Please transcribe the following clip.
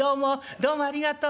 どうもありがとう。